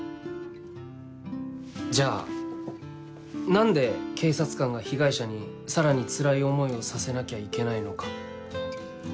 じゃあ何で警察官が被害者にさらにつらい思いをさせなきゃいけないのか。